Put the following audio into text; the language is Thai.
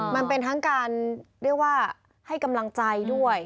มันเป็นทั้งการเรียกว่าให้กำลังใจด้วย